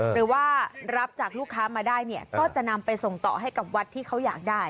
หรือว่ารับจากลูกค้ามาได้เนี่ยก็จะนำไปส่งต่อให้กับวัดที่เขาอยากได้